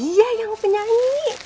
iya yang penyanyi